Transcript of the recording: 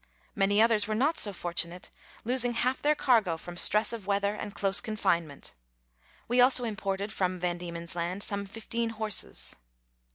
Many others were not so fortunate, losing half their cargo from stress of weather and close confinement. We also imported from Van Diemen's Land some fifteen horses.